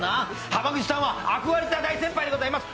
濱口さんは憧れた大先輩でございます。